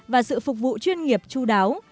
và sự phục vụ chuyên nghiệp chú đáo